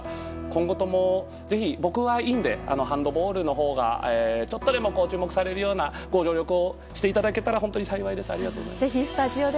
今後ともぜひ、僕はいいのでハンドボールのほうがちょっとでも注目されるようなご助力をしていただけたら本当に幸いです。